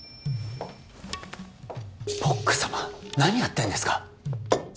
ＰＯＣ様何やってんですか？